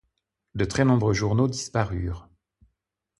De très nombreux journaux disparurent.